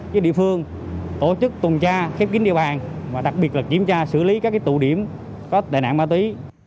với địa phương tổ chức tùn tra khép kín địa bàn và đặc biệt là kiểm tra xử lý các tụ điểm có đại nạn ma tí